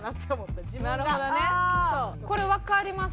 これわかります？